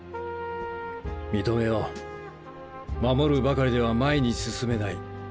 認めよう守るばかりでは前に進めない。